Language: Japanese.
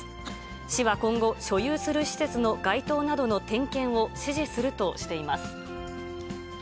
市は今後、所有する施設の街灯などの点検を指示するとしています。